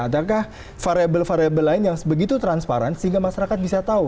adakah variable variable lain yang begitu transparan sehingga masyarakat bisa tahu